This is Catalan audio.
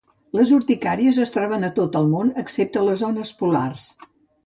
Les urticàcies es troben a tot al món excepte les zones polars.